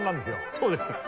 そうです。